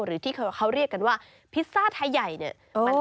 หรือที่เขาเรียกกันว่าพิซซ่าไทยใหญ่เนี่ย